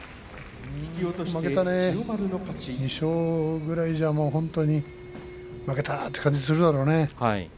負けたね２勝ぐらいでじゃ負けたという感じがするだろうね。